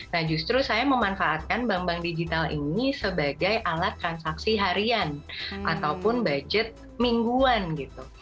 nah justru saya memanfaatkan bank bank digital ini sebagai alat transaksi harian ataupun budget mingguan gitu